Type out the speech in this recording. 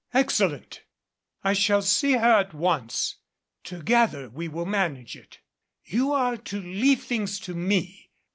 "Excellent. I shall see her at once. Together we will manage it. You are to leave things to me.